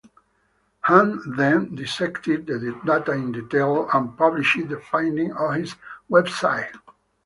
Hunt then dissected the data in detail and published the findings on his website.